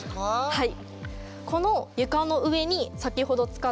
はい。